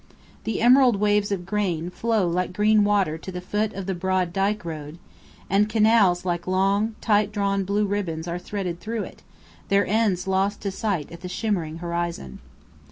The emerald waves of grain flow like green water to the foot of the broad dyke road, and canals like long, tight drawn blue ribbons are threaded through it, their ends lost to sight at the shimmering horizon.